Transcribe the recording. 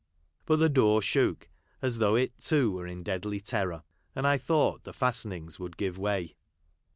But the door shook as though it, too, Avere in deadly terror, and I thought the fastenings Avould give way.